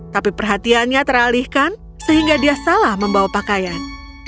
tapi perhatiannya teralihkan sehingga dia salah membawa pakaian